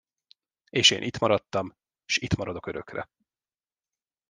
És én itt maradtam, s itt maradok örökre.